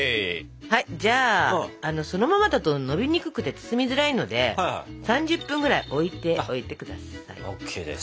じゃあそのままだとのびにくくて包みづらいので３０分ぐらい置いておいて下さい。